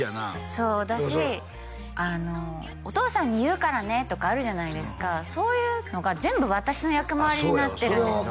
そうだしあの「お父さんに言うからね」とかあるじゃないですかそういうのが全部私の役回りになってるんですよ